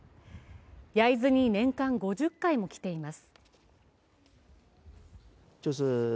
焼津に年間５０回も来ています。